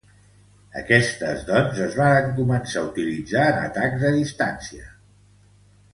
Aquestes doncs es varen començar a utilitzar en atacs a distància.